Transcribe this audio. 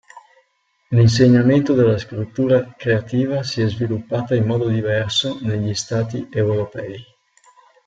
L'insegnamento della scrittura creativa si è sviluppata in modo diverso negli stati europei.